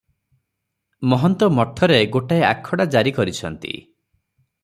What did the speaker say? ମହନ୍ତ ମଠରେ ଗୋଟାଏ ଆଖଡା ଜାରି କରିଛନ୍ତି ।